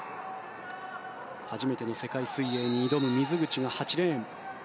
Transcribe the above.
初めての世界水泳に挑む水口が８レーン。